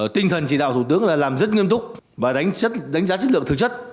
tinh thần chỉ đạo thủ tướng là làm rất nghiêm túc và đánh giá chất lượng thực chất